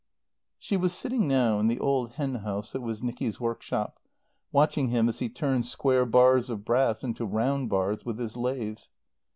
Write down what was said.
She was sitting now in the old hen house that was Nicky's workshop, watching him as he turned square bars of brass into round bars with his lathe.